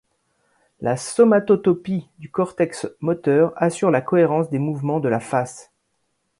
La somatotopie du cortex moteur assure la cohérence des mouvements de la face.